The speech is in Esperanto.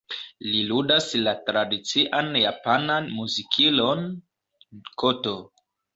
Li ludas la tradician japanan "muzikilo"n, "koto".